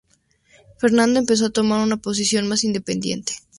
Fernando empezó a tomar una posición más independiente.